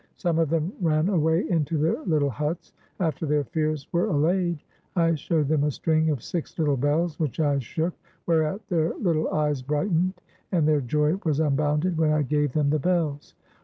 Some of them ran away into their little huts. After their fears were allayed I showed them a string of six little bells, which I shook, whereat their little eyes brightened, and their joy was unbounded when I gave them the bells.